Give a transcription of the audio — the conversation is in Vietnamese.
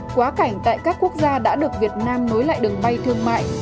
quá cảnh tại các quốc gia đã được việt nam nối lại đường bay thương mại